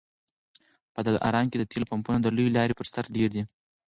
په دلارام کي د تېلو پمپونه د لويې لارې پر سر ډېر دي